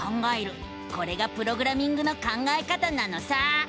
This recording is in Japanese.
これがプログラミングの考え方なのさ！